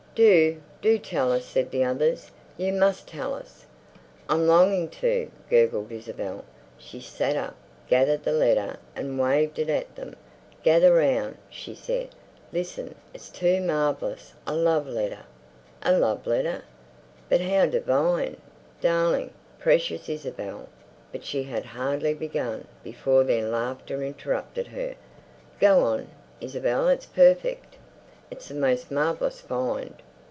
"Do, do tell us," said the others. "You must tell us." "I'm longing to," gurgled Isabel. She sat up, gathered the letter, and waved it at them. "Gather round," she said. "Listen, it's too marvellous. A love letter!" "A love letter! But how divine!" Darling, precious Isabel. But she had hardly begun before their laughter interrupted her. "Go on, Isabel, it's perfect." "It's the most marvellous find."